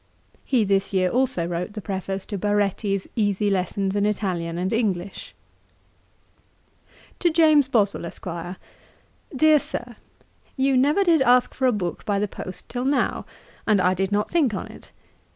He this year also wrote the Preface to Baretti's Easy Lessons in Italian and English. 'To JAMES BOSWELL, ESQ. 'DEAR SIR, 'You never did ask for a book by the post till now, and I did not think on it.